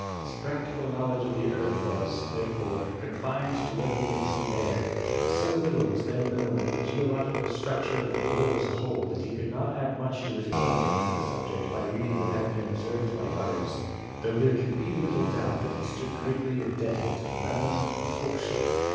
His practical knowledge of the earth was, there fore, confined to what he could see there, and so Httle was then known of the geological structure of the globe as a whole that he could not add much to his acquaintance with the subject by reading what had been observed by others, tho there can be little doubt that he stood greatly indebted to Lehmann and Fuchsel.